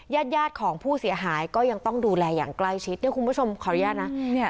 ญาติญาติของผู้เสียหายก็ยังต้องดูแลอย่างใกล้ชิดเนี่ยคุณผู้ชมขออนุญาตนะเนี่ย